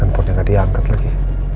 teleponnya gak diangkat lagi